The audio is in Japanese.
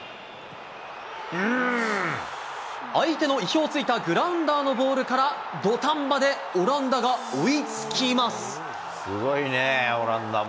相手の意表をついたグラウンダーのボールから、土壇場でオランダすごいね、オランダも。